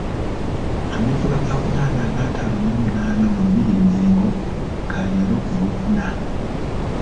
Ameefuga ga Buganda aga ataano mw'omunaana mu Lubiri e Mmengo ga leero ku Lw'okuna.